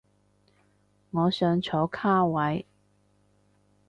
我想坐卡位